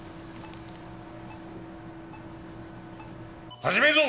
始めるぞ！